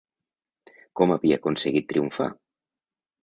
Com havia aconseguit triomfar?